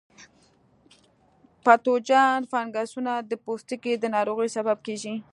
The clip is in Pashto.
پتوجن فنګسونه د پوستکي د ناروغیو سبب کیږي.